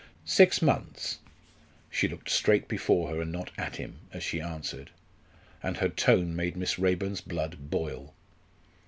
"Six months." She looked straight before her and not at him as she answered, and her tone made Miss Raeburn's blood boil.